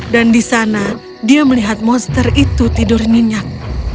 dan di sana dia melihat monster itu tidur ninyak